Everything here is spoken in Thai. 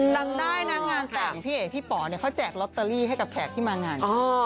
จำได้นะงานแต่งพี่เอกพี่ป๋อเนี่ยเขาแจกลอตเตอรี่ให้กับแขกที่มางาน